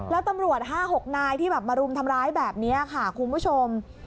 แล้วตำรวจ๕๖นายที่แบบมารุมทำร้ายแบบนี้ค่ะคุณผู้ชม